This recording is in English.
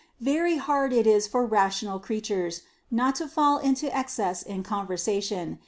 Very hard it is for rational crea tures not to fall into excess in conversation.